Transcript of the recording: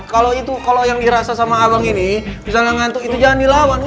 kalau itu kalau yang dirasa sama abang ini misalnya ngantuk itu jangan dilawan